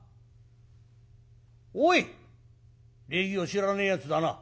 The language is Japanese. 礼儀を知らねえやつだな。